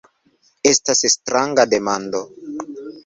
Estas stranga demando.